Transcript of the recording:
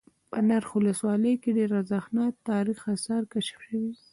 په نرخ ولسوالۍ كې ډېر ارزښتناك تاريخ آثار كشف شوي